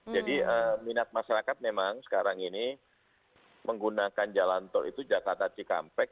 jadi minat masyarakat memang sekarang ini menggunakan jalan tol itu jakarta cikampek